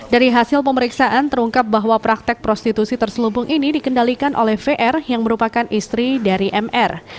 dari hasil pemeriksaan terungkap bahwa praktek prostitusi terselubung ini dikendalikan oleh vr yang merupakan istri dari mr